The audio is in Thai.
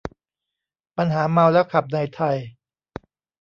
ปัญหาเมาแล้วขับในไทย